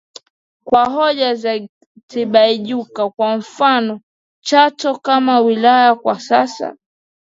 Kwa hoja za Tibaijuka kwa mfano Chato kama wilaya kwa sasa